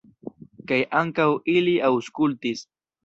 Kaj ankaŭ ili aŭskultis.